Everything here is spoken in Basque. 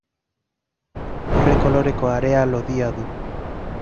Urre koloreko harea lodia du.